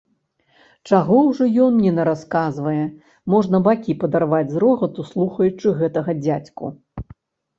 Чаго ўжо ён ні нарасказвае, можна бакі падарваць з рогату, слухаючы гэтага дзядзьку.